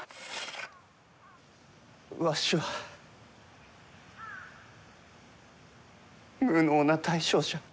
わしは無能な大将じゃ。